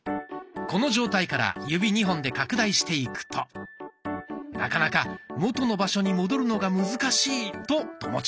この状態から指２本で拡大していくとなかなか元の場所に戻るのが難しいと友近さん。